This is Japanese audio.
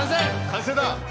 完成だ！